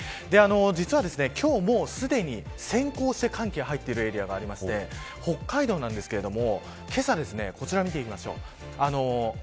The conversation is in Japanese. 実は今日もすでに先行して寒気が入っているエリアがありまして北海道なんですけれどこちらを見ていきましょう。